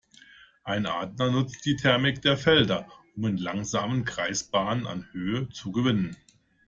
Ein Adler nutzt die Thermik der Felder, um in langsamen Kreisbahnen an Höhe zu gewinnen.